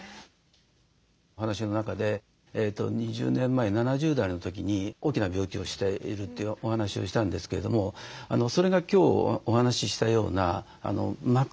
お話の中で２０年前７０代の時に大きな病気をしているってお話をしたんですけれどもそれが今日お話ししたような幕間になってたんじゃないかなと思うんですね。